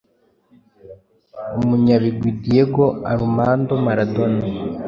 Umunyabigwi Diego Armando Maradona